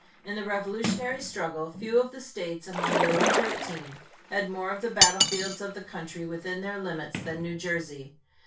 In the revolutionary struggle few of the States among the Old Thirteen had more of the battlefields of the country within their limits than New Jersey.